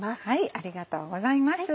ありがとうございます。